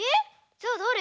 じゃあだれ？